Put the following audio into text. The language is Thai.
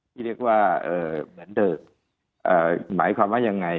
ที่เรียกว่าเหมือนเดิมหมายความว่ายังไง